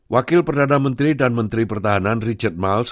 wakil perdana menteri dan menteri pertahanan richard muls